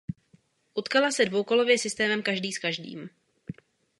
Utkala se dvoukolově systémem každý s každým.